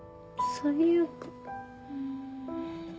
最悪。